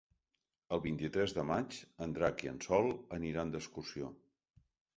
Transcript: El vint-i-tres de maig en Drac i en Sol aniran d'excursió.